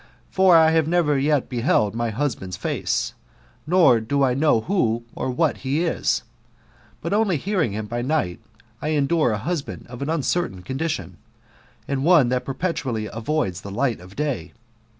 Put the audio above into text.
For I have never yet beheld my husband's face, nor do I know who or what he is ; but only hearing him by night, I endure a husband of an uncertain condition, and one that perpetually avoids the light of day.